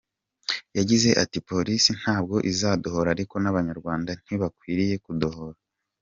Yagize ati “Polisi ntabwo izadohora ariko n’Abanyarwanda ntibakwiriye kudohora.